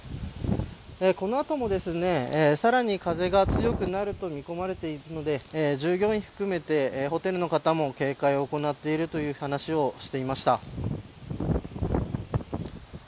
この後も、さらに風が強くなると見込まれているので従業員を含めてホテルの方も警戒を行っているという話をしていました。